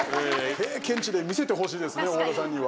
経験値で見せてほしいですね大和田さんには。